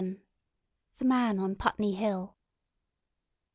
VII. THE MAN ON PUTNEY HILL.